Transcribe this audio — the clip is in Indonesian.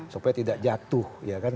supaya tidak jatuh